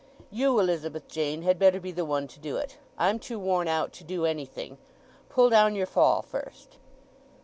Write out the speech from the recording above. You, Elizabeth Jane, had better be the one to do it. I'm too worn out to do anything—pull down your fall first."